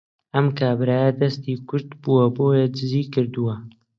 ئەم کابرایە دەستی کورت بووە بۆیە دزی کردووە